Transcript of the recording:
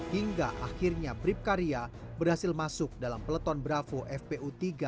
hingga akhirnya bribka ria berhasil masuk dalam peleton bravo fpu tiga k